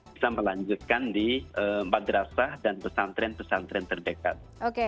bisa melanjutkan di madrasah dan pesantren pesantren terdekat